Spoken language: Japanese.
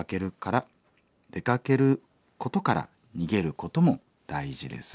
出かけることから逃げることも大事です」。